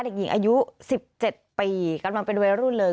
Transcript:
เด็กหญิงอายุ๑๗ปีกำลังเป็นวัยรุ่นเลย